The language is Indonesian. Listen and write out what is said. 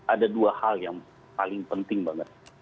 ada dua hal yang paling penting banget